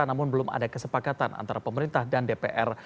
namun belum ada kesepakatan antara pemerintah dan dpr